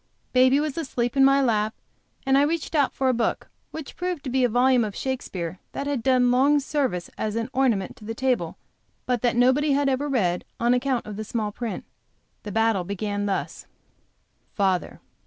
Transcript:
Baby was asleep in my lap and I reached out for a book which proved to be a volume of Shakespeare which had done long service as an ornament to the table, but which nobody ever read on account of the small print. The battle then began thus: Father.